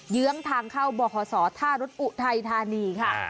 เยื้องทางเข้าบศธรุษฐ์อุไทยธานีค่ะ